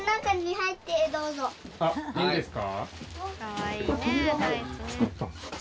あっいいんですか？